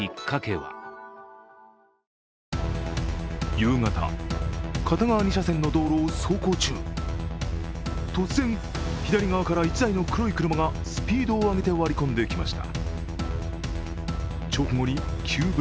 夕方、片側２車線の道路を走行中、突然、左側から１台の黒い車がスピードを上げて割り込んできました。